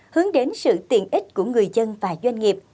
hướng đến sự tiện ích của người dân và doanh nghiệp